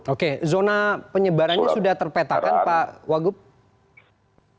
oke zona penyebarannya sudah terpetakan pak wagub